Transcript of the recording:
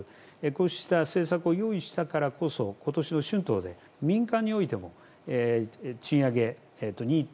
こうした政策を用意したからこそ今年の春闘で、民間においても賃上げ２．０９％。